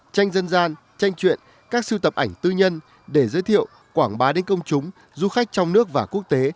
tranh dân gian tranh chuyện các sưu tập ảnh tư nhân để giới thiệu quảng bá đến công chúng du khách trong nước và quốc tế